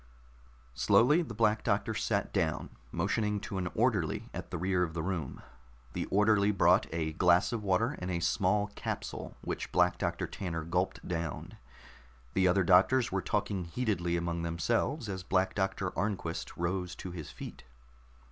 Slowly the Black Doctor sat down, motioning to an orderly at the rear of the room. The orderly brought a glass of water and a small capsule which Black Doctor Tanner gulped down. The other doctors were talking heatedly among themselves as Black Doctor Arnquist rose to his feet.